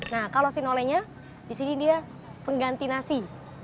nah kalau sinole nya disini dia pengganti nasi